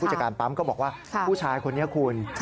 จากการปั๊มก็บอกว่าผู้ชายคนนี้คุณ